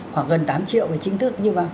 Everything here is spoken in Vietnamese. khoảng gần tám triệu chính thức nhưng mà